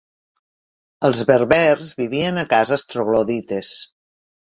Els berbers vivien a cases troglodites.